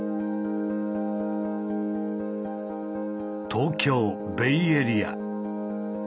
東京ベイエリア。